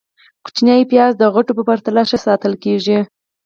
- کوچني پیاز د غټو په پرتله ښه ساتل کېږي.